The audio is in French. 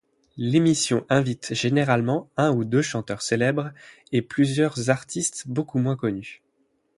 L'émission invite généralement un ou deux chanteurs célèbres et plusieurs artistes beaucoup moins connus.